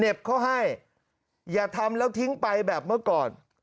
เขาให้อย่าทำแล้วทิ้งไปแบบเมื่อก่อน